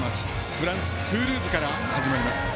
フランス・トゥールーズから始まります。